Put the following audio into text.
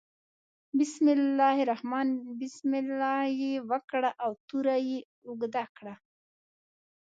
بسم الله یې وکړه او توره یې اوږده کړه.